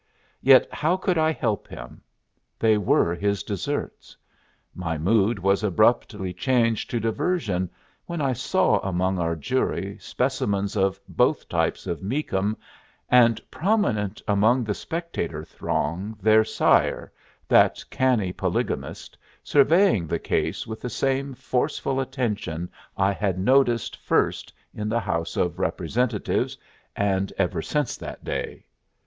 Yet how could I help him? They were his deserts. My mood was abruptly changed to diversion when I saw among our jury specimens of both types of Meakum, and prominent among the spectator throng their sire, that canny polygamist, surveying the case with the same forceful attention I had noticed first in the House of Representatives, and ever since that day.